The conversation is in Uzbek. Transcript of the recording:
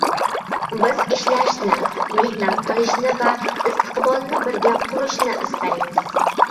Biz ishlashni, mehnat qilishni va istiqbolni birga qurishni istaymiz.